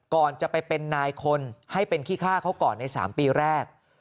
ก่อนจะไปเป็นนายคนให้เป็นขี้ฆ่าเขาก่อนใน๓ปีแรก